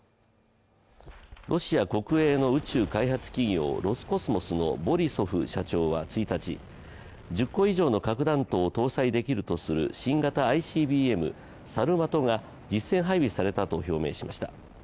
ロシア国営の宇宙開発企業ロスコスモスのボリソフ社長は１日、１０個以上の核弾頭を搭載できるとする新型ＩＣＢＭサルマトが実戦配備されたと表明しました。